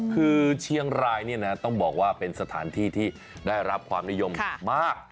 คือเชียงรายเนี่ยนะต้องบอกว่าเป็นสถานที่ที่ได้รับความนิยมมาก